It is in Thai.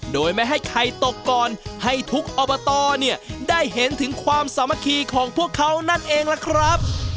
โดยไม่ให้ใครตกก่อนให้ทุกอบตเนี่ยได้เห็นถึงความสามัคคีของพวกเขานั่นเองล่ะครับ